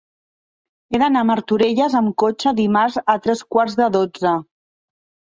He d'anar a Martorelles amb cotxe dimarts a tres quarts de dotze.